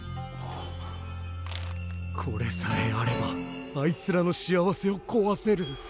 これさえあればあいつらの幸せをこわせる。